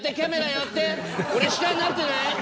俺下になってない？